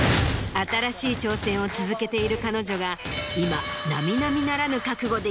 新しい挑戦を続けている彼女が今。